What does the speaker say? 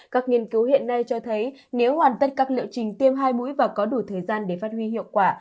các nghiên cứu hiện nay cho thấy nếu hoàn tất các liệu trình tiêm hai mũi và có đủ thời gian để phát huy hiệu quả